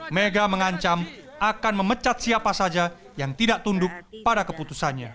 mega mengancam akan memecat siapa saja yang tidak tunduk pada keputusannya